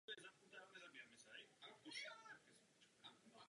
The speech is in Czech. Na hřbitově se nachází márnice.